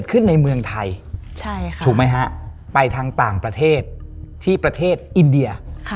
คุณเจนไปทางต่างประเทศที่ประเทศอินเดีย